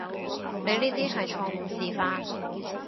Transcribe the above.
你呢啲係錯誤示範